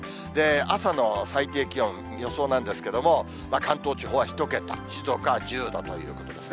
朝の最低気温、予想なんですけれども、関東地方は１桁、静岡は１０度ということですね。